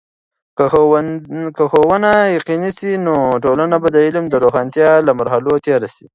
که ښوونه یقيني سي، نو ټولنه به د علم د روښانتیا له مرحلو تیریږي.